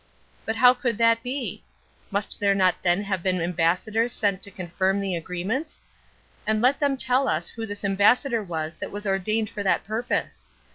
But how could that be? Must there not then have been ambassadors sent to confirm the agreements? And let them tell us who this ambassador was that was ordained for that purpose.